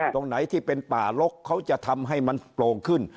ตรงไหนที่เป็นป่าลกเขาจะทำให้มันโปร่งขึ้น